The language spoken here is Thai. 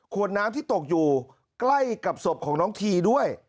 วนน้ำที่ตกอยู่ใกล้กับศพของน้องทีด้วย